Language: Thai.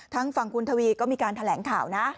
ทางฝั่งคุณทวีก็มีการแถลงข่าวนะ